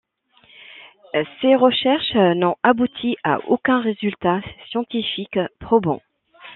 Ces recherches n'ont abouti à aucun résultat scientifique probant.